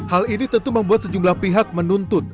hal ini tentu membuat sejumlah pihak menuntut